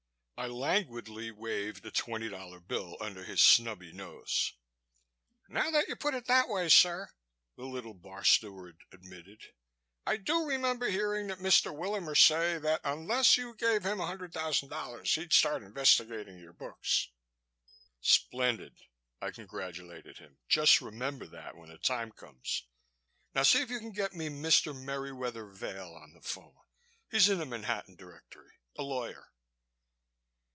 I languidly waved a twenty dollar bill under his snubby nose. "Now that you put it that way, sir," the little bar steward admitted, "I do remember hearing that Mr. Willamer say that unless you gave him $100,000 he'd start investigating your books." "Splendid!" I congratulated him. "Just remember that, when the time comes. Now see if you can get me Mr. Merriwether Vail on the phone. He's in the Manhattan Directory a lawyer."